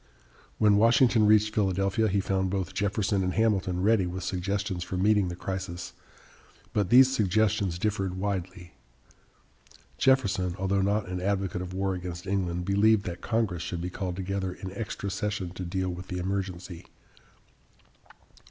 When Washington reached Philadelphia, he found both Jefferson and Hamilton ready with suggestions for meeting the crisis, but these suggestions differed widely. Jefferson, although not an advocate of war against England, believed that Congress should be called together in extra session to deal with the emergency.